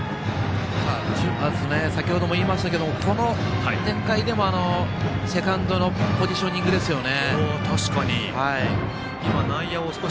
先ほども言いましたけどこの展開でもセカンドのポジショニングですよね。